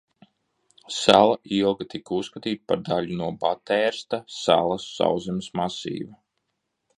Sala ilgi tika uzskatīta par daļu no Batērsta salas sauszemes masīva.